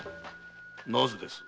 なぜです？